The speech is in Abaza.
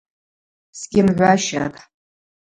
Сгьымгӏващатӏ.